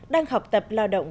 đang học tập lao động